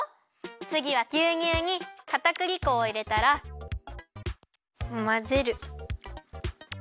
つぎはぎゅうにゅうにかたくり粉をいれたらまぜる。